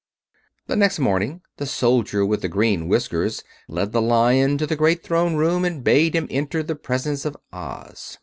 The next morning the soldier with the green whiskers led the Lion to the great Throne Room and bade him enter the presence of Oz.